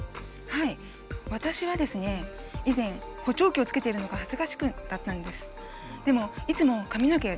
私は以前補聴器をつけているのが恥ずかしかったんです。